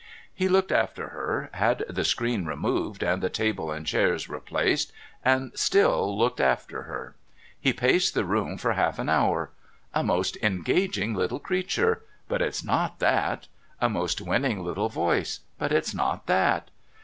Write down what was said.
He looked after her, had the screen removed and the table and chairs replaced, and still looked after her. He paced the room for half an hour. ' A most engaging little creature, but it's not that, A most winning little voice, but it's not that.